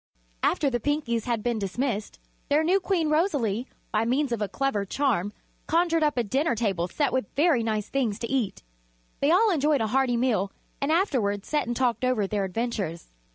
After the Pinkies had been dismissed, their new Queen Rosalie, by means of a clever charm, conjured up a dinner table set with very nice things to eat. They all enjoyed a hearty meal and afterward sat and talked over their adventures.